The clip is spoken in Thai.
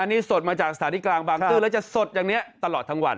นี่สดมาจากสถานีกลางบางซื่อแล้วจะสดอย่างนี้ตลอดทั้งวัน